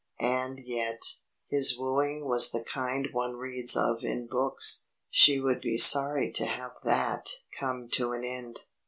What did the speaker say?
And yet his wooing was the kind one reads of in books. She would be sorry to have that come to an end.